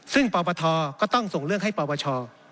ซึ่งปรวทต้องส่งเรื่องให้ปรวช